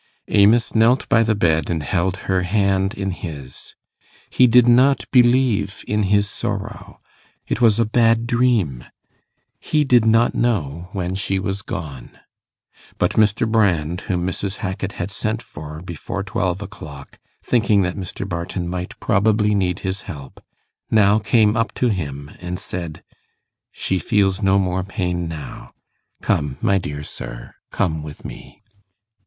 Amos knelt by the bed and held her hand in his. He did not believe in his sorrow. It was a bad dream. He did not know when she was gone. But Mr. Brand, whom Mrs. Hackit had sent for before twelve o'clock, thinking that Mr. Barton might probably need his help, now came up to him, and said, 'She feels no more pain now. Come, my dear sir, come with me.